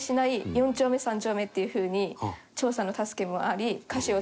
４丁目３丁目っていう風に長さんの助けもあり歌詞を作って。